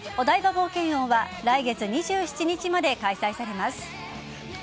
冒険王は来月２７日まで開催されます。